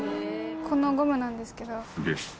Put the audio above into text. このゴムなんですけど。